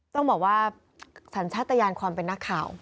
ต้องบอกว่าสัญชาติยานความเป็นนักข่าว